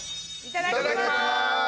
・いただきます！